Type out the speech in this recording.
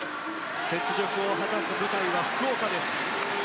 雪辱を果たす舞台は福岡です。